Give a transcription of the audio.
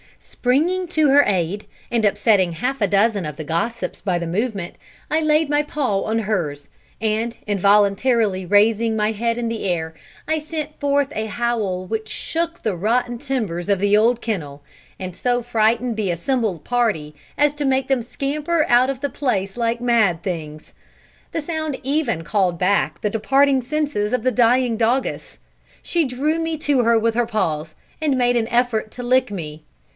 Springing to her aide, and upsetting half a dozen of the gossips by the movement, I laid my paw on hers; and, involuntarily raising my head in the air, I sent forth a howl which shook the rotten timbers of the old kennel, and so frightened the assembled party as to make them scamper out of the place like mad things. The sound even called back the departing senses of the dying doggess. She drew me to her with her paws, and made an effort to lick me.